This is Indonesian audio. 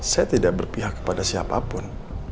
saya tidak berpihak kepada siapapun